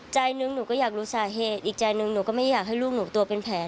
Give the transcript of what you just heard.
ใจหนึ่งหนูก็อยากรู้สาเหตุอีกใจหนึ่งหนูก็ไม่อยากให้ลูกหนูตัวเป็นแผล